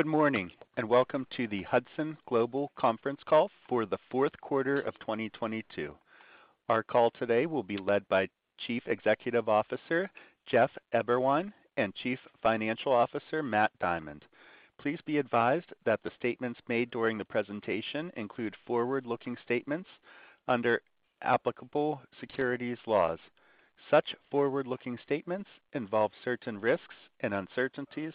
Good morning, and welcome to the Hudson Global Conference Call for the Fourth Quarter of 2022. Our call today will be led by Chief Executive Officer, Jeff Eberwein, and Chief Financial Officer, Matt Diamond. Please be advised that the statements made during the presentation include forward-looking statements under applicable securities laws. Such forward-looking statements involve certain risks and uncertainties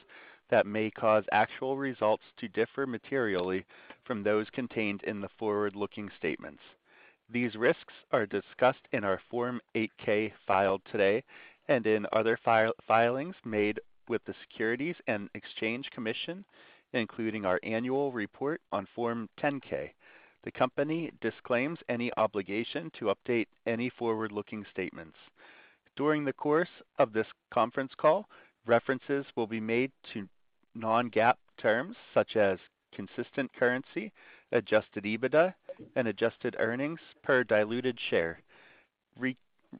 that may cause actual results to differ materially from those contained in the forward-looking statements. These risks are discussed in our Form 8-K filed today and in other filings made with the Securities and Exchange Commission, including our annual report on Form 10-K. The company disclaims any obligation to update any forward-looking statements. During the course of this conference call, references will be made to non-GAAP terms such as constant currency, adjusted EBITDA, and adjusted earnings per diluted share.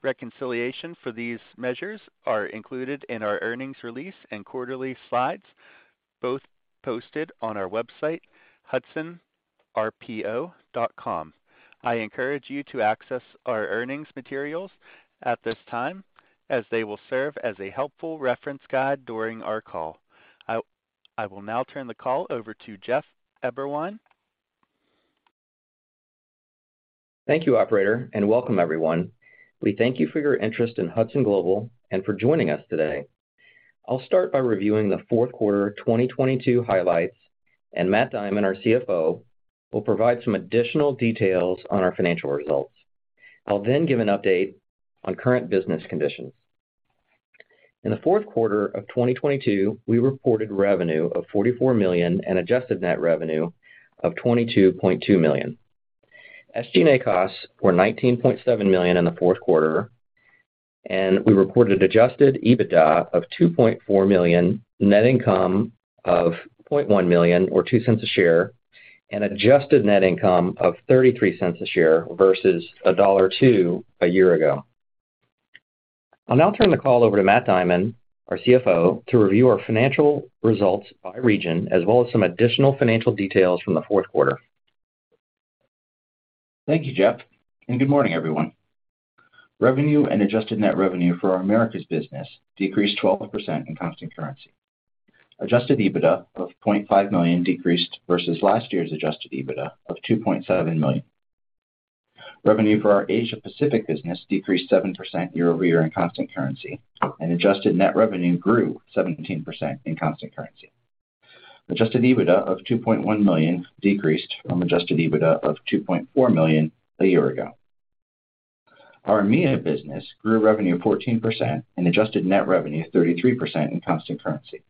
Reconciliation for these measures are included in our earnings release and quarterly slides, both posted on our website, hudsonrpo.com. I encourage you to access our earnings materials at this time, as they will serve as a helpful reference guide during our call. I will now turn the call over to Jeff Eberwein. Thank you, operator, and welcome everyone. We thank you for your interest in Hudson Global and for joining us today. I'll start by reviewing the fourth quarter 2022 highlights, and Matt Diamond, our CFO, will provide some additional details on our financial results. I'll give an update on current business conditions. In the fourth quarter of 2022, we reported revenue of $44 million and adjusted net revenue of $22.2 million. SG&A costs were $19.7 million in the fourth quarter, and we reported adjusted EBITDA of $2.4 million, net income of $0.1 million or $0.02 a share, and adjusted net income of $0.33 a share versus $1.02 a year ago. I'll now turn the call over to Matt Diamond, our CFO, to review our financial results by region, as well as some additional financial details from the fourth quarter. Thank you, Jeff. Good morning, everyone. Revenue and adjusted net revenue for our Americas business decreased 12% in constant currency. Adjusted EBITDA of $0.5 million decreased versus last year's adjusted EBITDA of $2.7 million. Revenue for our Asia Pacific business decreased 7% year-over-year in constant currency, and adjusted net revenue grew 17% in constant currency. Adjusted EBITDA of $2.1 million decreased from adjusted EBITDA of $2.4 million a year ago. Our EMEA business grew revenue 14% and adjusted net revenue 33% in constant currency.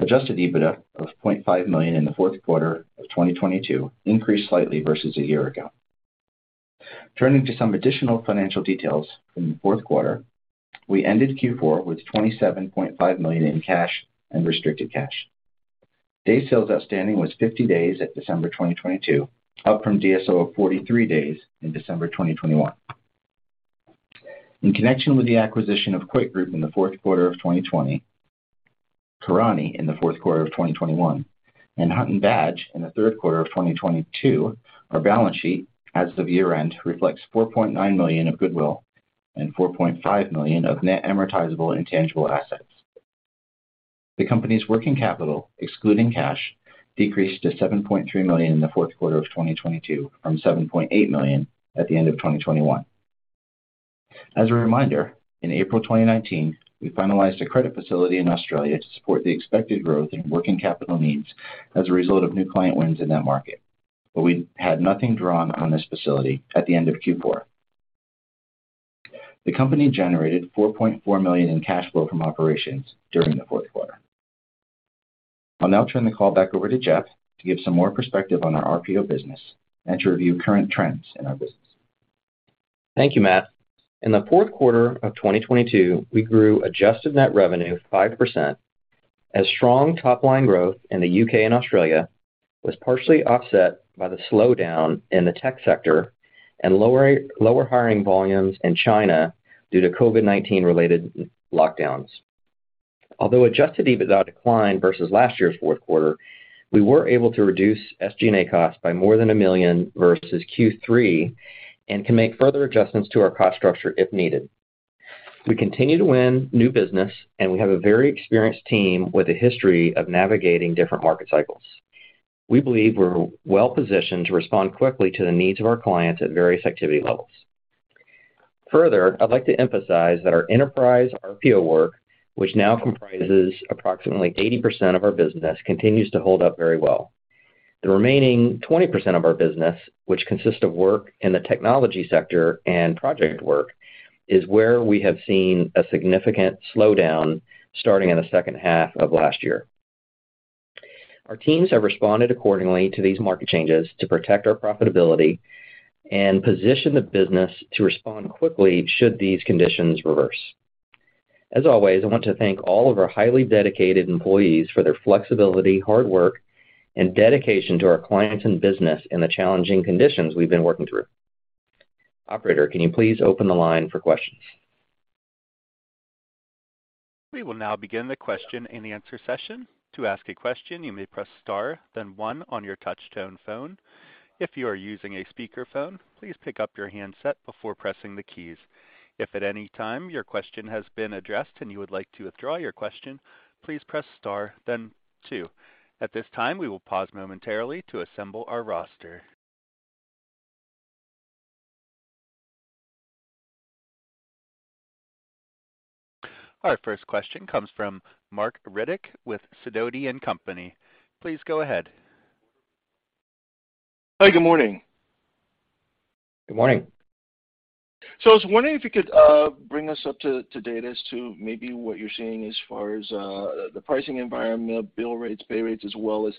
Adjusted EBITDA of $0.5 million in the fourth quarter of 2022 increased slightly versus a year ago. Turning to some additional financial details from the fourth quarter, we ended Q4 with $27.5 million in cash and restricted cash. Day sales outstanding was 50 days at December 2022, up from DSO of 43 days in December 2021. In connection with the acquisition of Coit Group in the fourth quarter of 2020, Karani in the fourth quarter of 2021, and Hunt & Badge in the third quarter of 2022, our balance sheet as of year-end reflects $4.9 million of goodwill and $4.5 million of net amortizable intangible assets. The company's working capital, excluding cash, decreased to $7.3 million in the fourth quarter of 2022 from $7.8 million at the end of 2021. As a reminder, in April 2019, we finalized a credit facility in Australia to support the expected growth in working capital needs as a result of new client wins in that market. We had nothing drawn on this facility at the end of Q4. The company generated $4.4 million in cash flow from operations during the fourth quarter. I'll now turn the call back over to Jeff to give some more perspective on our RPO business and to review current trends in our business. Thank you, Matt. In the fourth quarter of 2022, we grew adjusted net revenue 5% as strong top-line growth in the U.K. and Australia was partially offset by the slowdown in the tech sector and lower hiring volumes in China due to COVID-19 related lockdowns. Although adjusted EBITDA declined versus last year's fourth quarter, we were able to reduce SG&A costs by more than $1 million versus Q3 and can make further adjustments to our cost structure if needed. We continue to win new business. We have a very experienced team with a history of navigating different market cycles. We believe we're well-positioned to respond quickly to the needs of our clients at various activity levels. Further, I'd like to emphasize that our Enterprise RPO work, which now comprises approximately 80% of our business, continues to hold up very well. The remaining 20% of our business, which consists of work in the technology sector and project work, is where we have seen a significant slowdown starting in the second half of last year. Our teams have responded accordingly to these market changes to protect our profitability and position the business to respond quickly should these conditions reverse. As always, I want to thank all of our highly dedicated employees for their flexibility, hard work, and dedication to our clients and business in the challenging conditions we've been working through. Operator, can you please open the line for questions? We will now begin the question and answer session. To ask a question, you may press star then one on your touch-tone phone. If you are using a speakerphone, please pick up your handset before pressing the keys. If at any time your question has been addressed and you would like to withdraw your question, please press star then two. At this time, we will pause momentarily to assemble our roster. Our first question comes from Marc Riddick with Sidoti & Company. Please go ahead. Hi, good morning. Good morning. I was wondering if you could bring us up to date as to maybe what you're seeing as far as the pricing environment, bill rates, pay rates, as well as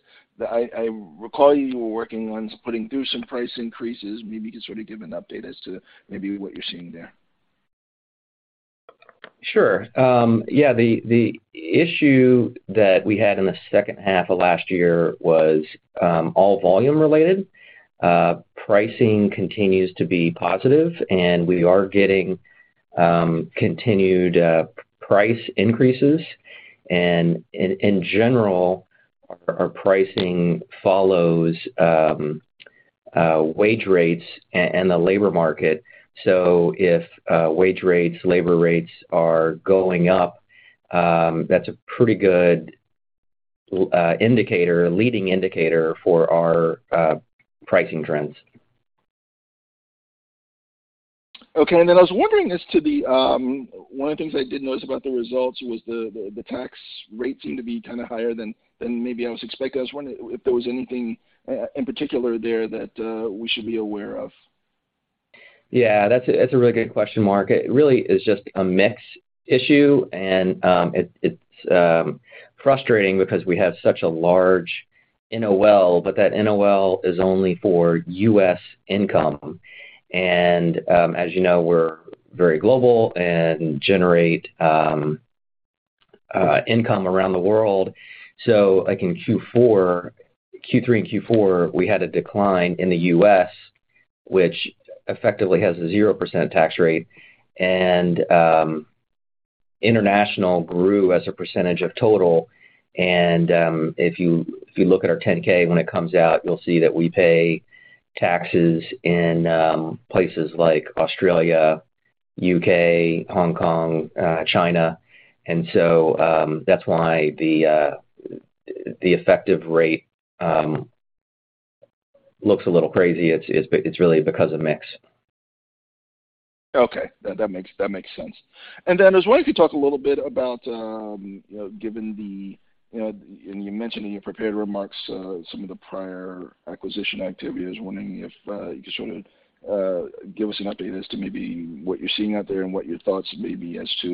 I recall you were working on putting through some price increases? Maybe you can sort of give an update as to maybe what you're seeing there? Sure. Yeah, the issue that we had in the second half of last year was all volume related. Pricing continues to be positive, we are getting continued price increases. In general, our pricing follows wage rates and the labor market. If wage rates, labor rates are going up, that's a pretty good indicator, leading indicator for our pricing trends. Okay. I was wondering as to the, one of the things I did notice about the results was the tax rate seemed to be kind of higher than maybe I was expecting. I was wondering if there was anything in particular there that we should be aware of. That's a really good question, Marc. It really is just a mix issue, and it's frustrating because we have such a large NOL. That NOL is only for U.S. income, and as you know, we're very global and generate income around the world. Like in Q4, Q3 and Q4, we had a decline in the U.S., which effectively has a 0% tax rate. International grew as a percentage of total. If you look at our 10-K when it comes out, you'll see that we pay taxes in places like Australia, U.K., Hong Kong, China. That's why the effective rate looks a little crazy. It's really because of mix. Okay. That makes sense. Then I was wondering if you could talk a little bit about, you know, given the. You know, and you mentioned in your prepared remarks, some of the prior acquisition activity. I was wondering if you could sort of give us an update as to maybe what you're seeing out there and what your thoughts may be as to,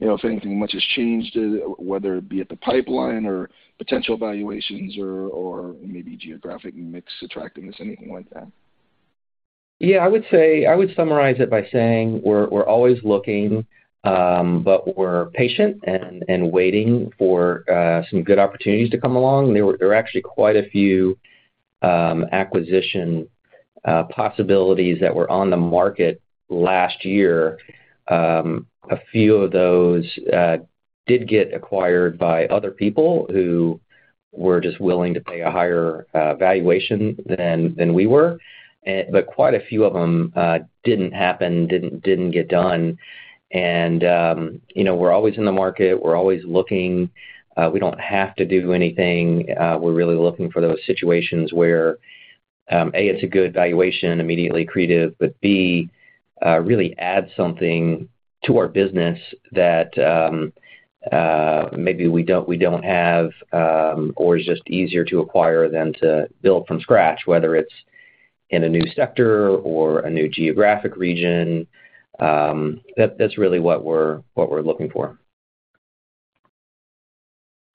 you know, if anything much has changed, whether it be at the pipeline or potential valuations or maybe geographic mix attractiveness, anything like that. Yeah. I would say, I would summarize it by saying we're always looking, but we're patient and waiting for some good opportunities to come along. There were actually quite a few acquisition possibilities that were on the market last year. A few of those did get acquired by other people who were just willing to pay a higher valuation than we were. Quite a few of them didn't happen, didn't get done. You know, we're always in the market. We're always looking. We don't have to do anything. We're really looking for those situations where, A, it's a good valuation immediately accretive, but B, really adds something to our business that maybe we don't have or is just easier to acquire than to build from scratch, whether it's in a new sector or a new geographic region. That's really what we're looking for.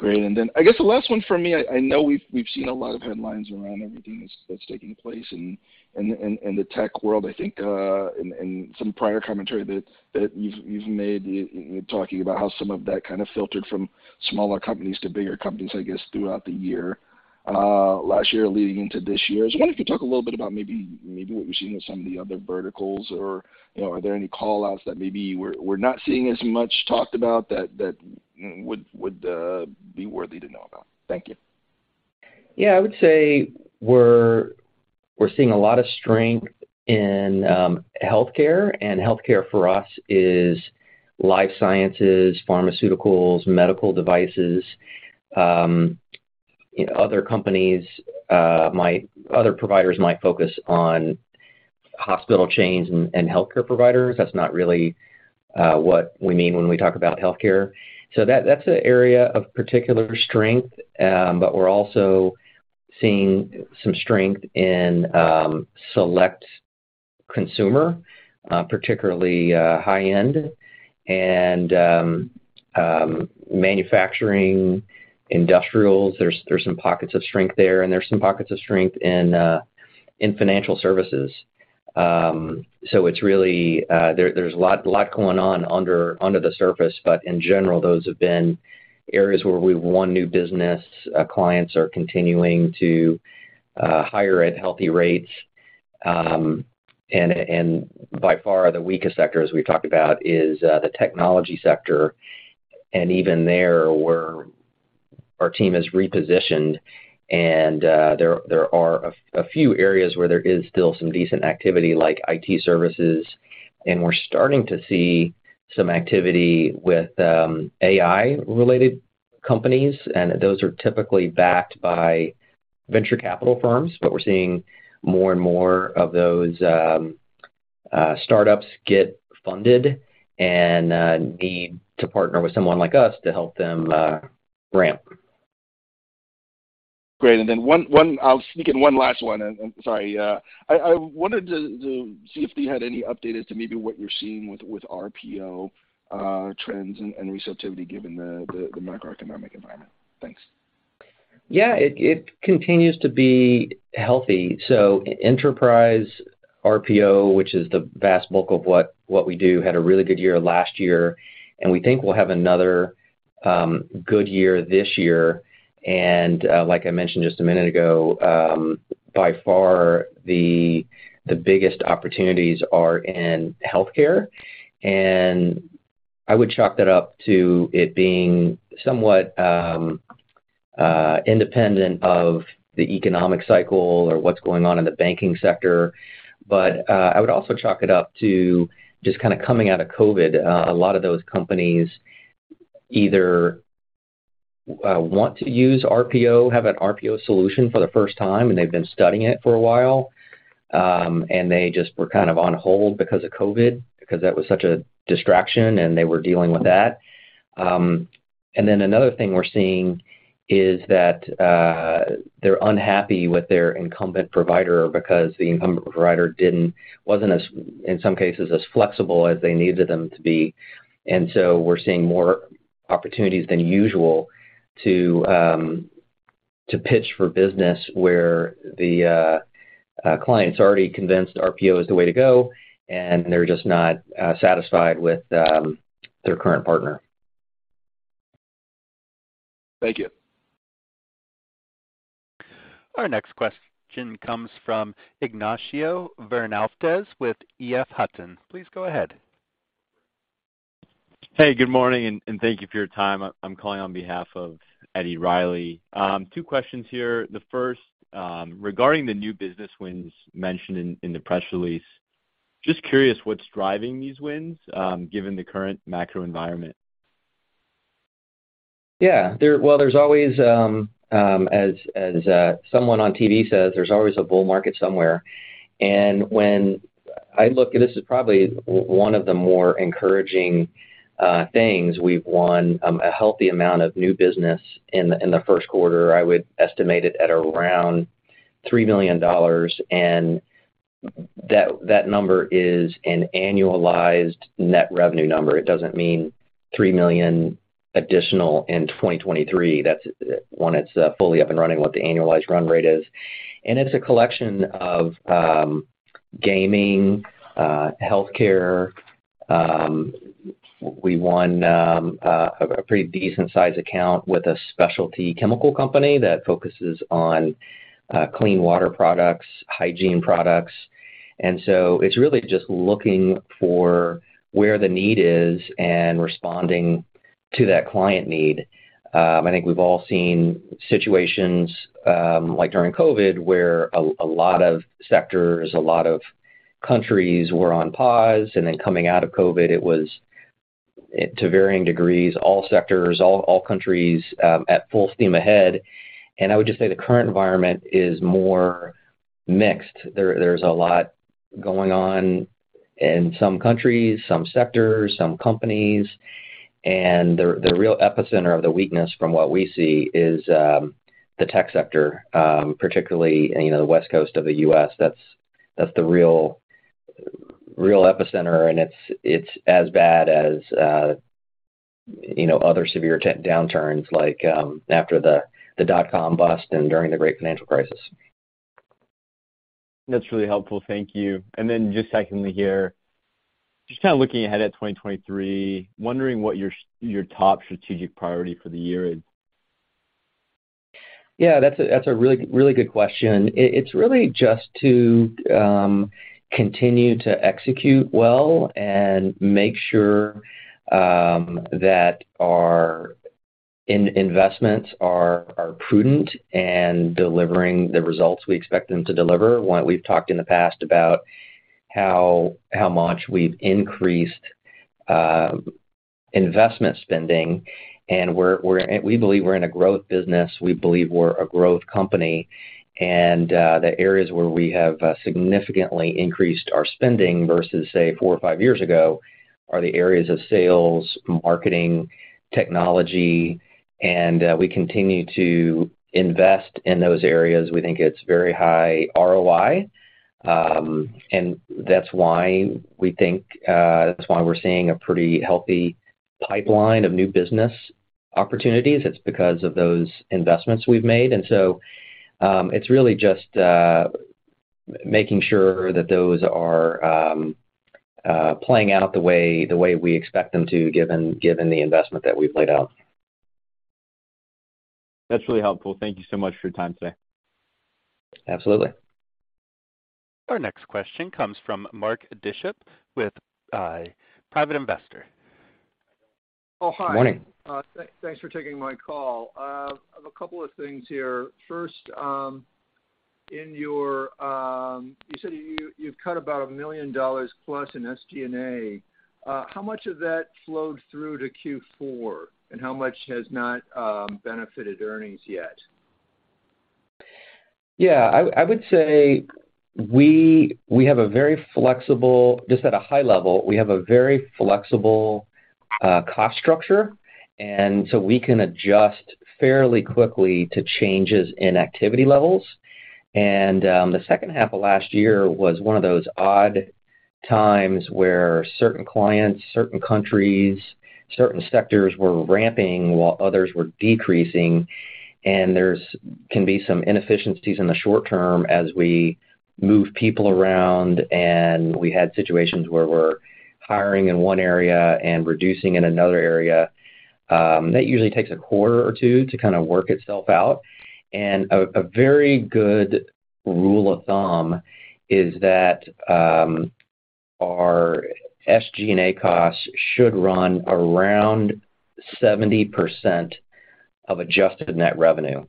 Great. I guess the last one for me, I know we've seen a lot of headlines around everything that's taking place in the tech world. I think in some prior commentary that you've made talking about how some of that kind of filtered from smaller companies to bigger companies, I guess, throughout the year, last year leading into this year. I was wondering if you could talk a little bit about maybe what you're seeing with some of the other verticals or, you know, are there any call-outs that maybe we're not seeing as much talked about that would be worthy to know about? Thank you. Yeah. I would say we're seeing a lot of strength in healthcare, and healthcare for us is life sciences, pharmaceuticals, medical devices. Other companies, other providers might focus on hospital chains and healthcare providers. That's not really what we mean when we talk about healthcare. That's an area of particular strength. We're also seeing some strength in select consumer, particularly high-end and manufacturing, industrials. There's some pockets of strength there, and there's some pockets of strength in financial services. It's really, there's a lot going on under the surface. In general, those have been areas where we've won new business. Clients are continuing to hire at healthy rates. By far the weakest sector, as we've talked about, is the technology sector. Even there, our team has repositioned, and there are a few areas where there is still some decent activity like IT services, and we're starting to see some activity with AI-related companies, and those are typically backed by venture capital firms. We're seeing more and more of those startups get funded and need to partner with someone like us to help them ramp. Great. Then one I'll sneak in one last one. Sorry. I wanted to see if you had any update as to maybe what you're seeing with RPO trends and receptivity given the macroeconomic environment? Thanks. Yeah. It continues to be healthy. Enterprise RPO, which is the vast bulk of what we do, had a really good year last year, and we think we'll have another good year this year. Like I mentioned just a minute ago, by far the biggest opportunities are in healthcare. I would chalk that up to it being somewhat independent of the economic cycle or what's going on in the banking sector. I would also chalk it up to just kinda coming out of COVID. A lot of those companies either want to use RPO, have an RPO solution for the first time, and they've been studying it for a while, and they just were kind of on hold because of COVID, because that was such a distraction, and they were dealing with that. Another thing we're seeing is that they're unhappy with their incumbent provider because the incumbent provider wasn't as, in some cases, as flexible as they needed them to be. We're seeing more opportunities than usual to pitch for business where the client's already convinced RPO is the way to go, and they're just not satisfied with their current partner. Thank you. Our next question comes from Ignacio Bernaldez with EF Hutton. Please go ahead. Hey, good morning, and thank you for your time. I'm calling on behalf of Eddie Reilly. Two questions here. The first, regarding the new business wins mentioned in the press release. Just curious what's driving these wins, given the current macro environment? Yeah. Well, there's always, as someone on TV says, there's always a bull market somewhere. When I look at this is probably one of the more encouraging things. We've won a healthy amount of new business in the first quarter. I would estimate it at around $3 million. That number is an annualized net revenue number. It doesn't mean $3 million additional in 2023. That's when it's fully up and running, what the annualized run rate is. It's a collection of gaming, healthcare. We won a pretty decent sized account with a specialty chemical company that focuses on Clean Water products, Hygiene products. It's really just looking for where the need is and responding to that client need. I think we've all seen situations like during COVID, where a lot of sectors, a lot of countries were on pause, and then coming out of COVID, it was, to varying degrees, all sectors, all countries at full steam ahead. I would just say the current environment is more mixed. There, there's a lot going on in some countries, some sectors, some companies. The real epicenter of the weakness from what we see is the tech sector, particularly, you know, the West Coast of the U.S. That's the real epicenter. It's as bad as, you know, other severe downturns like after the dot-com bust and during the Great Financial Crisis. That's really helpful. Thank you. Just secondly here, just kinda looking ahead at 2023, wondering what your top strategic priority for the year is? That's a really, really good question. It's really just to continue to execute well and make sure that our investments are prudent and delivering the results we expect them to deliver. One, we've talked in the past about how much we've increased investment spending, and we believe we're in a growth business. We believe we're a growth company. The areas where we have significantly increased our spending versus, say, 4 or 5 years ago, are the areas of sales, marketing, technology, and we continue to invest in those areas. We think it's very high ROI. That's why we're seeing a pretty healthy pipeline of new business opportunities. It's because of those investments we've made. It's really just making sure that those are playing out the way we expect them to given the investment that we've laid out. That's really helpful. Thank you so much for your time today. Absolutely. Our next question comes from Mark Bishop with Private Investor. Hi. Morning. Thanks for taking my call. I have a couple of things here. First, in your you said you've cut about $1 million plus in SG&A. How much of that flowed through to Q4, and how much has not benefited earnings yet? Yeah. Just at a high level, we have a very flexible cost structure, and so we can adjust fairly quickly to changes in activity levels. The second half of last year was one of those odd times where certain clients, certain countries, certain sectors were ramping while others were decreasing. There's can be some inefficiencies in the short term as we move people around, and we had situations where we're hiring in one area and reducing in another area. That usually takes a quarter or 2 to kind of work itself out. A very good rule of thumb is that our SG&A costs should run around 70% of adjusted net revenue.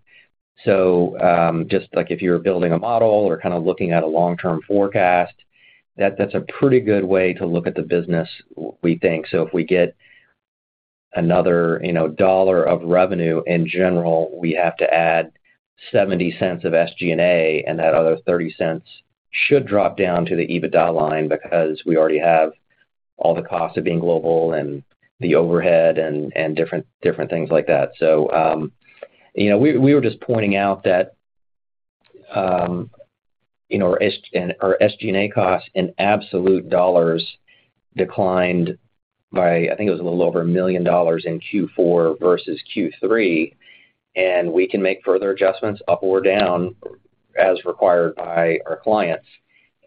Just like if you're building a model or kind of looking at a long-term forecast, that's a pretty good way to look at the business we think. If we get another, you know, dollar of revenue, in general, we have to add 70 cents of SG&A, and that other 30 cents should drop down to the EBITDA line because we already have all the costs of being global and the overhead and different things like that. You know, we were just pointing out that, you know, our SG&A costs in absolute dollars declined by, I think it was a little over $1 million in Q4 versus Q3. We can make further adjustments up or down as required by our clients.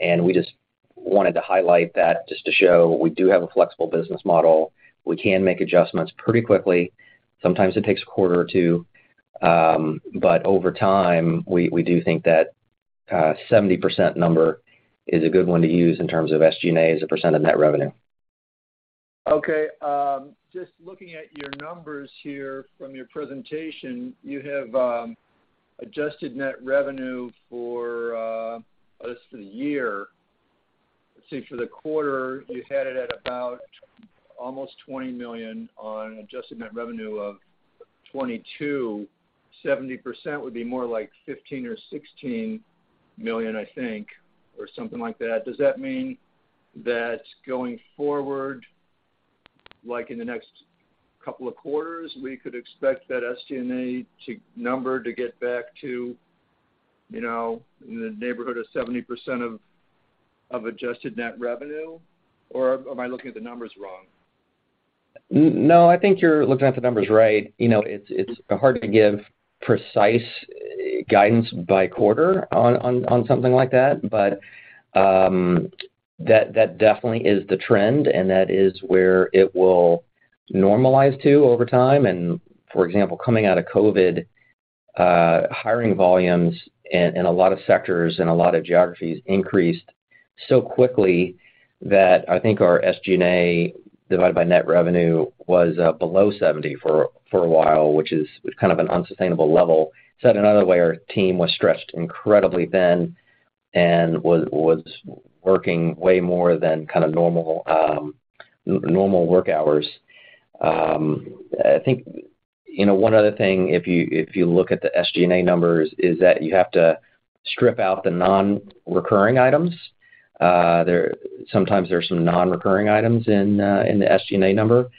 We just wanted to highlight that just to show we do have a flexible business model. We can make adjustments pretty quickly. Sometimes it takes a quarter or two. Over time, we do think that 70% number is a good one to use in terms of SG&A as a percent of net revenue. Okay. Just looking at your numbers here from your presentation, you have, adjusted net revenue for, at least for the year. Let's see, for the quarter, you had it at about almost $20 million on adjusted net revenue of $22. 70% would be more like $15 million or $16 million, I think, or something like that. Does that mean that going forward, like in the next couple of quarters, we could expect that SG&A number to get back to, you know, in the neighborhood of 70% of adjusted net revenue, or am I looking at the numbers wrong? No, I think you're looking at the numbers right. You know, it's hard to give precise guidance by quarter on, on something like that. That definitely is the trend, and that is where it will normalize to over time. For example, coming out of COVID, hiring volumes in a lot of sectors and a lot of geographies increased so quickly that I think our SG&A divided by net revenue was below 70 for a while, which is kind of an unsustainable level. Said another way, our team was stressed incredibly thin and was working way more than kind of normal work hours. I think, you know, one other thing if you, if you look at the SG&A numbers is that you have to strip out the non-recurring items. Sometimes there's some non-recurring items in the SG&A number.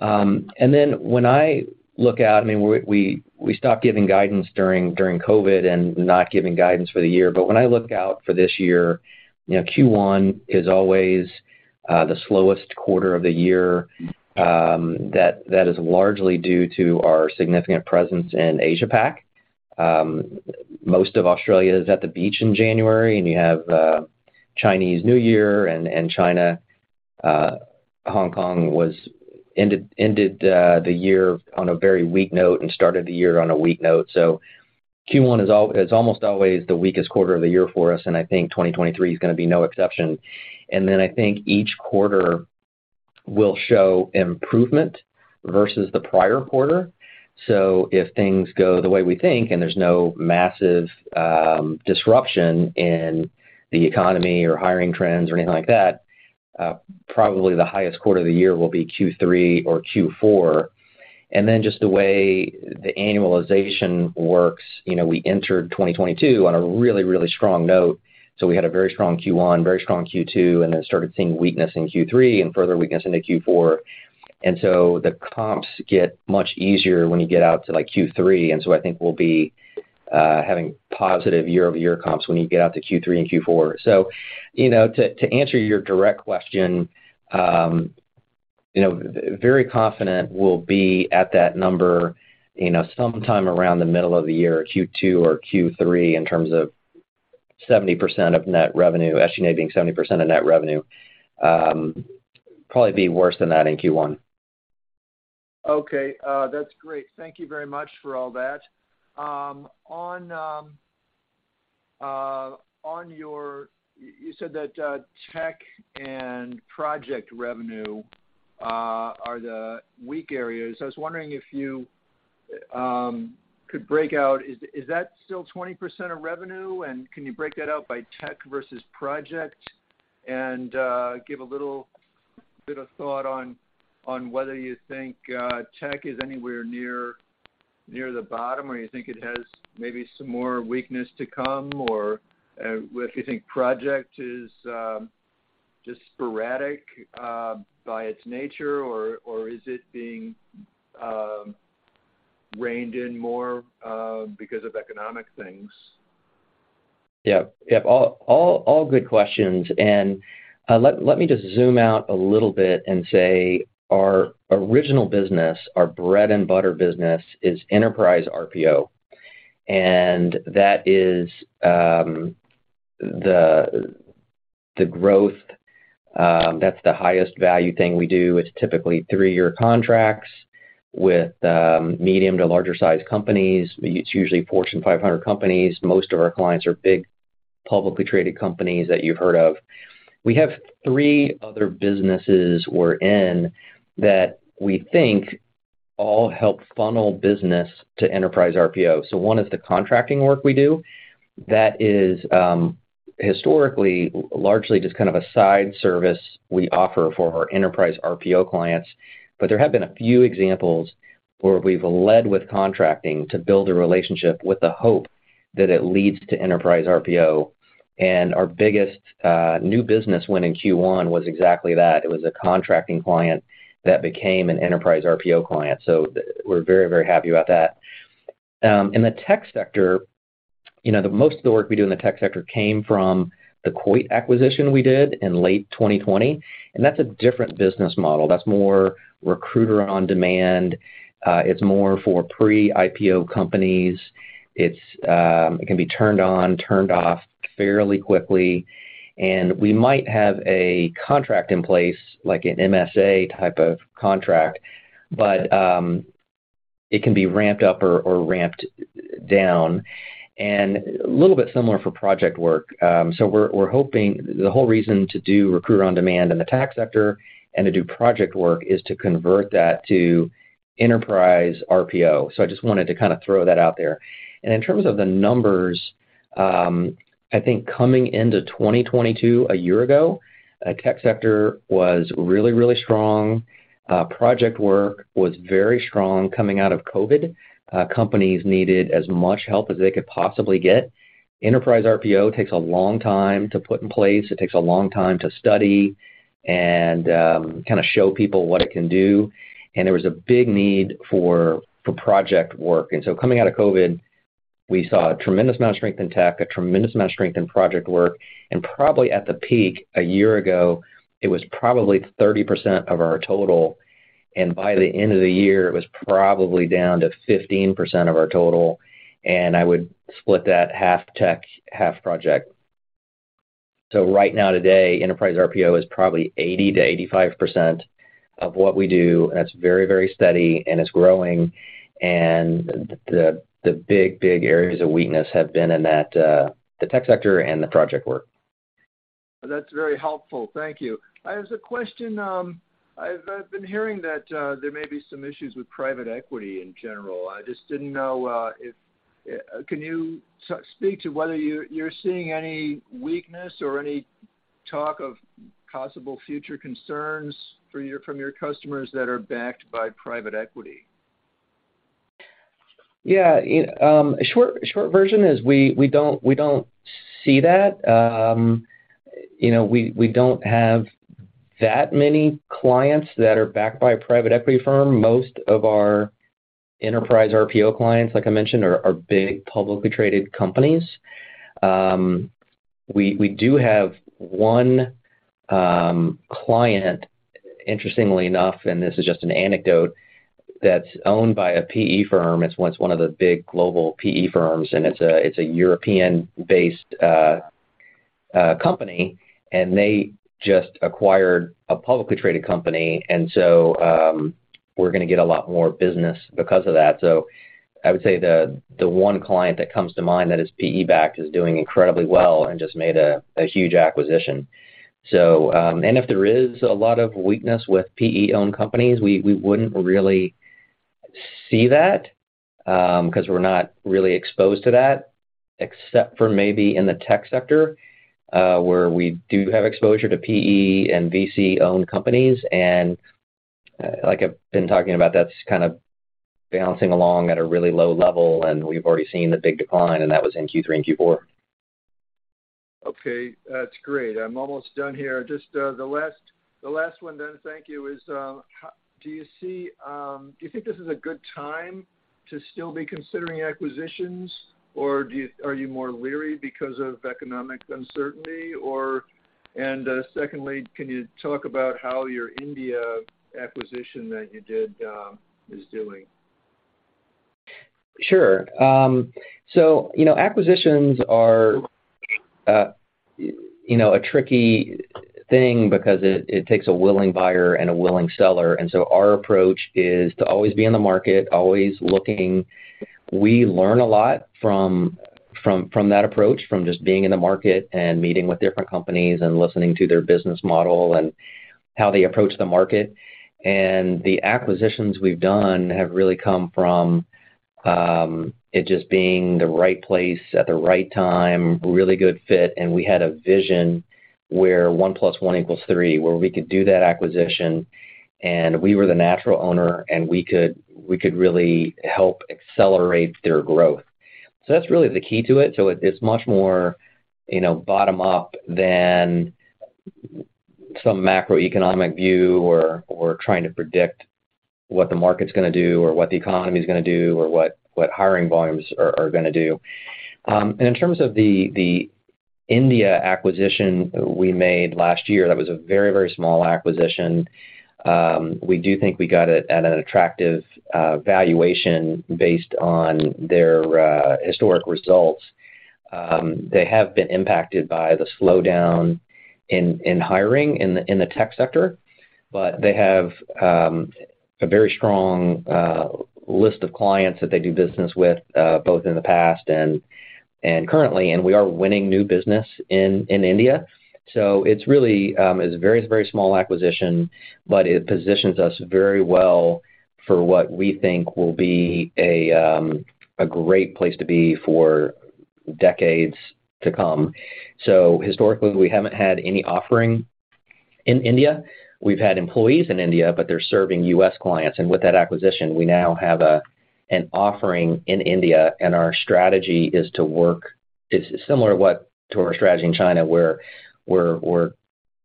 When I look out, I mean, we stopped giving guidance during COVID and not giving guidance for the year. When I look out for this year, you know, Q1 is always the slowest quarter of the year. That is largely due to our significant presence in Asia Pac. Most of Australia is at the beach in January, and you have Chinese New Year. China, Hong Kong was ended the year on a very weak note and started the year on a weak note. Q1 is almost always the weakest quarter of the year for us, and I think 2023 is gonna be no exception. Then I think each quarter will show improvement versus the prior quarter. If things go the way we think and there's no massive disruption in the economy or hiring trends or anything like that, probably the highest quarter of the year will be Q3 or Q4. Just the way the annualization works, you know, we entered 2022 on a really, really strong note. We had a very strong Q1, very strong Q2, and then started seeing weakness in Q3 and further weakness into Q4. The comps get much easier when you get out to, like, Q3. I think we'll be having positive year-over-year comps when you get out to Q3 and Q4. You know, to answer your direct question, you know, very confident we'll be at that number, you know, sometime around the middle of the year, Q2 or Q3, in terms of 70% of net revenue, SG&A being 70% of net revenue, probably be worse than that in Q1. Okay. That's great. Thank you very much for all that. You said that tech and project revenue are the weak areas. I was wondering if you could break out. Is that still 20% of revenue? Can you break that out by tech versus project and give a little bit of thought on whether you think tech is anywhere near the bottom, or you think it has maybe some more weakness to come? Or if you think project is just sporadic by its nature, or is it being reined in more because of economic things? Yep. All good questions. Let me just zoom out a little bit and say our original business, our Bread and Butter business, is Enterprise RPO. That is the growth, that's the highest value thing we do. It's typically 3-year contracts with medium to larger sized companies. It's usually Fortune 500 companies. Most of our clients are big, publicly traded companies that you've heard of. We have 3 other businesses we're in that we think all help Funnel business to Enterprise RPO. One is the contracting work we do. That is historically largely just kind of a side service we offer for our Enterprise RPO clients. There have been a few examples where we've led with contracting to build a relationship with the hope that it leads to Enterprise RPO. Our biggest new business win in Q1 was exactly that. It was a contracting client that became an Enterprise RPO client, we're very, very happy about that. In the tech sector, you know, most of the work we do in the tech sector came from the Coit acquisition we did in late 2020. That's a different business model. That's more Recruiter on Demand. It's more for pre-IPO companies. It can be turned on, turned off fairly quickly. We might have a contract in place, like an MSA type of contract, but it can be ramped up or ramped down and a little bit similar for project work. We're hoping... The whole reason to do Recruiter on Demand in the tech sector and to do project work is to convert that to Enterprise RPO. I just wanted to kind of throw that out there. In terms of the numbers, I think coming into 2022, a year ago, tech sector was really, really strong. Project work was very strong coming out of COVID-19. Companies needed as much help as they could possibly get. Enterprise RPO takes a long time to put in place. It takes a long time to study and kind of show people what it can do. There was a big need for project work. Coming out of COVID-19, we saw a tremendous amount of strength in tech, a tremendous amount of strength in project work. Probably at the peak a year ago, it was probably 30% of our total, and by the end of the year, it was probably down to 15% of our total. I would split that half tech, half project. Right now, today, Enterprise RPO is probably 80%-85% of what we do. That's very, very steady, and it's growing. The big, big areas of weakness have been in that the tech sector and the project work. That's very helpful. Thank you. I have a question. I've been hearing that, there may be some issues with private equity in general. I just didn't know, Can you speak to whether you're seeing any weakness or any talk of possible future concerns from your customers that are backed by private equity? Yeah. Short version is we don't see that. You know, we don't have that many clients that are backed by a private equity firm. Most of our Enterprise RPO clients, like I mentioned, are big, publicly traded companies. We do have one client, interestingly enough, and this is just an anecdote, that's owned by a PE firm. It's one of the big global PE firms, and it's a European-based company, and they just acquired a publicly traded company. We're gonna get a lot more business because of that. I would say the one client that comes to mind that is PE-backed is doing incredibly well and just made a huge acquisition. And if there is a lot of weakness with PE-owned companies, we wouldn't really see that, 'cause we're not really exposed to that, except for maybe in the tech sector, where we do have exposure to PE and VC-owned companies. Like I've been talking about, that's kind of bouncing along at a really low level, and we've already seen the big decline, and that was in Q3 and Q4. Okay. That's great. I'm almost done here. Just, the last one then, thank you, is, do you think this is a good time to still be considering acquisitions, or are you more leery because of economic uncertainty? Secondly, can you talk about how your India acquisition that you did, is doing? Sure. You know, acquisitions are, you know, a tricky thing because it takes a willing buyer and a willing seller. Our approach is to always be in the market, always looking. We learn a lot from that approach, from just being in the market and meeting with different companies and listening to their business model and how they approach the market. The acquisitions we've done have really come from it just being the right place at the right time, really good fit, and we had a vision where 1 plus 1 equals 3, where we could do that acquisition and we were the natural owner, and we could really help accelerate their growth. That's really the key to it. It's much more, you know, bottom up than some macroeconomic view or trying to predict what the market's gonna do or what the economy's gonna do or what hiring volumes are gonna do. In terms of the India acquisition we made last year, that was a very small acquisition. We do think we got it at an attractive valuation based on their historic results. They have been impacted by the slowdown in hiring in the tech sector, but they have a very strong list of clients that they do business with, both in the past and currently, and we are winning new business in India. It's really, it's a very, very small acquisition, but it positions us very well for what we think will be a great place to be for decades to come. Historically, we haven't had any offering in India. We've had employees in India, but they're serving U.S. clients. With that acquisition, we now have an offering in India, and our strategy is to work... It's similar to our strategy in China, where we're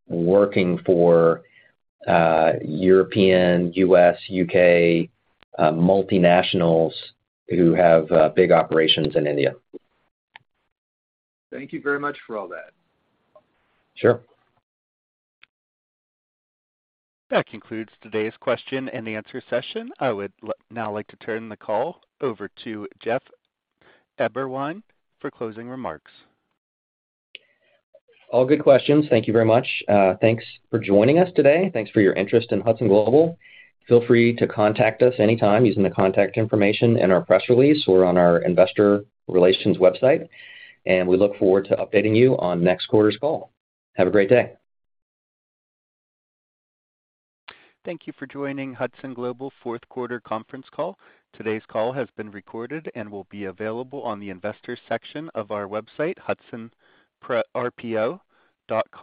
working for European, U.S., U.K. multinationals who have big operations in India. Thank you very much for all that. Sure. That concludes today's question and answer session. I would now like to turn the call over to Jeff Eberwein for closing remarks. All good questions. Thank you very much. Thanks for joining us today. Thanks for your interest in Hudson Global. Feel free to contact us anytime using the contact information in our press release or on our investor relations website. We look forward to updating you on next quarter's call. Have a great day. Thank you for joining Hudson Global Fourth Quarter Conference Call. Today's call has been recorded and will be available on the investors section of our website, hudsonrpo.com.